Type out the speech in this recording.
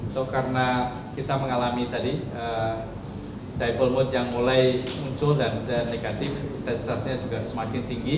atau karena kita mengalami tadi dival mood yang mulai muncul dan negatif intensitasnya juga semakin tinggi